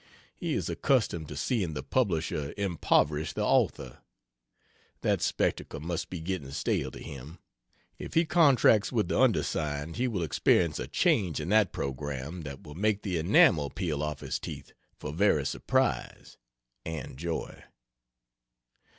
He is accustomed to seeing the publisher impoverish the author that spectacle must be getting stale to him if he contracts with the undersigned he will experience a change in that programme that will make the enamel peel off his teeth for very surprise and joy.